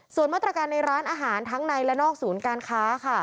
ส่วนมาตรการในร้านอาหารทั้งในและนอกศูนย์การค้าค่ะ